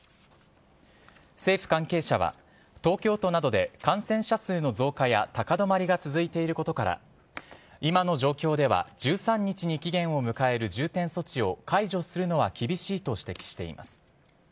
政府関係者は東京都などで感染者数の増加や高止まりが続いていることから今の状況では１３日に期限を迎える重点措置を解除するのは厳しいと指摘しています。